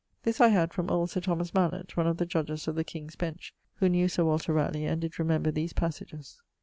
This I had from old Sir Thomas Malett, one of the Judges of the King's Bench, who knew Sir Walter Ralegh, and did remember these passages.